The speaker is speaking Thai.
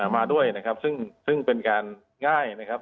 มาด้วยนะครับซึ่งเป็นการง่ายนะครับ